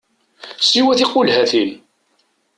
Siwa tiqulhatin!